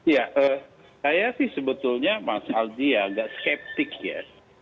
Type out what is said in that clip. ya saya sih sebetulnya mas aldi agak skeptik ya